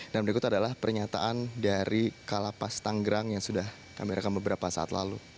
dan berikut adalah pernyataan dari kalapas tanggerang yang sudah kami rekam beberapa saat lalu